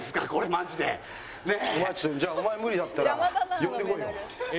じゃあお前無理だったら呼んでこいよ。